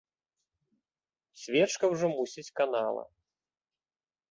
Свечка ўжо мусіць канала.